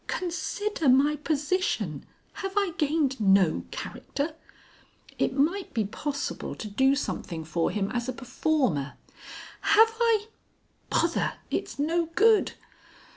"Consider my position. Have I gained no character?" "It might be possible to do something for him as a performer." "Have I (_Bother! It's no good!